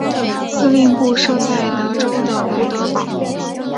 司令部设在德州的胡德堡。